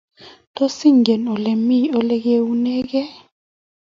Tos, ingen olemi olegeunegee?